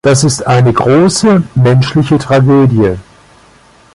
Das ist eine große menschliche Tragödie.